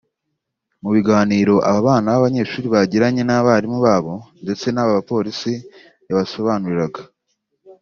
Mu biganiro aba bana b’abanyeshuri bagiranye n’abarimu babo ndetse n’aba polisi yabasobanuriraga